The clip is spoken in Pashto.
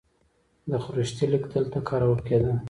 د خروشتي لیک دلته کارول کیده